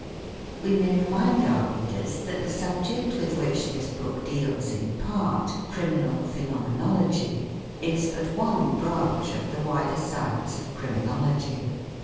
) We may remind our readers that the subject with which this book M deals in part, Criminal Phenomenology, is but one branch of the wider " science of Criminology.